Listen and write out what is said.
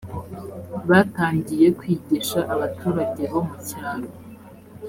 batangiye kwigisha abaturage bo mu cyaro.